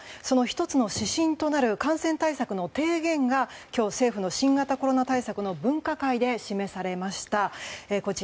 その１つの指針となる感染対策の提言が今日、政府の新型コロナ対策の分科会で示されました。